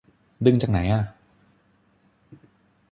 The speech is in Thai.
ดึงจากไหนอ่ะ